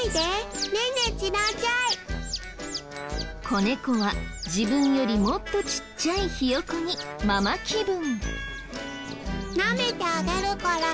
子猫は自分よりもっとちっちゃいひよこにママ気分。